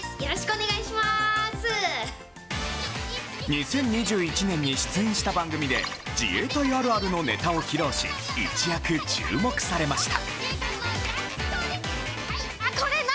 ２０２１年に出演した番組で自衛隊あるあるのネタを披露し一躍注目されました。